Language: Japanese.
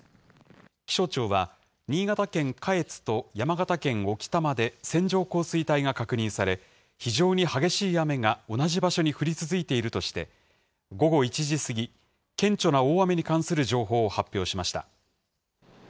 気象庁は、新潟県下越と山形県置賜で線状降水帯が確認され、非常に激しい雨が同じ場所に降り続いているとして、午後１時過ぎ、顕著な大雨に関する情報を発表しました。